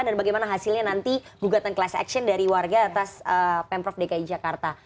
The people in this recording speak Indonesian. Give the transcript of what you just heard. bagaimana hasilnya nanti gugatan class action dari warga atas pemprov dki jakarta